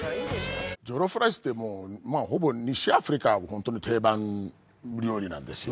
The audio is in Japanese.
ジョロフライスってもうほぼ西アフリカホントに定番料理なんですよ。